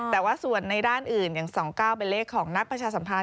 แต่ว่าส่วนในด้านอื่นอย่าง๒๙เป็นเลขของนักประชาสัมพันธ